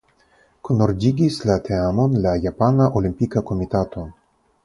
Kunordigis la teamon la Japana Olimpika Komitato.